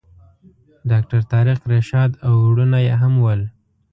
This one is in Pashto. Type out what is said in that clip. ډاکټر طارق رشاد او وروڼه یې هم ول.